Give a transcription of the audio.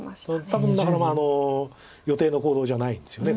多分だから予定の行動じゃないんですよね